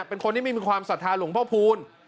เป็นคนที่มีความสัทธาหลวงพ่อภูนย์